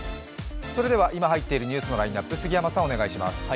それでは今入っているニュースのラインナップ杉山さん、お願いします。